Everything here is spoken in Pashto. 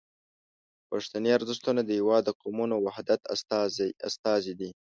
پښتني ارزښتونه د هیواد د قومونو وحدت استازي دي.